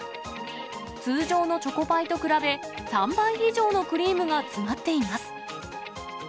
通常のチョコパイと比べ、３倍以上のクリームが詰まっています。